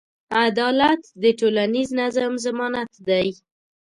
عدالت د ټولنیز نظم ضمانت دی.